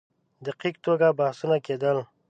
دقیق توګه بحثونه کېدل.